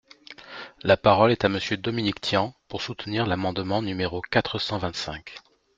La parole est à Monsieur Dominique Tian, pour soutenir l’amendement numéro quatre cent vingt-cinq.